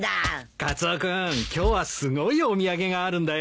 カツオ君今日はすごいお土産があるんだよ。